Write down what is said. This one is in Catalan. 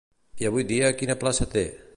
I avui dia quina plaça té?